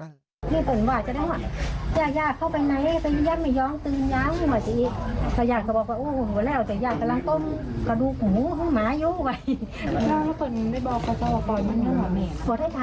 ตอนนี้ก็ได้ถาม